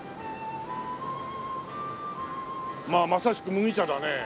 まあまさしく麦茶だね。